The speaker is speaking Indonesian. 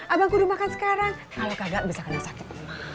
abang kudu makan sekarang kalau kagak bisa kena sakit